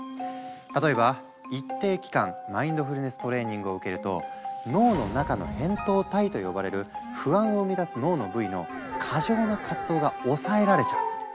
例えば一定期間マインドフルネス・トレーニングを受けると脳の中の「扁桃体」と呼ばれる不安を生み出す脳の部位の過剰な活動が抑えられちゃう。